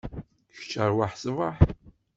Kečč arwaḥ ṣbeḥ.